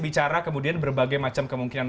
bicara kemudian berbagai macam kemungkinan